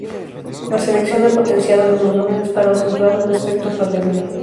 La selección ha potenciado los volúmenes para acentuar un aspecto solemne.